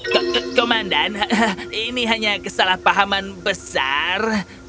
k k komandan ini hanya kesalahpahaman besar